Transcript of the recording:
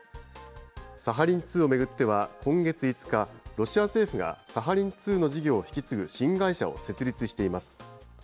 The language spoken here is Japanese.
サハリン２を巡っては、今月５日、ロシア政府がサハリン２の事業を引き継ぐ新会社を設立しています。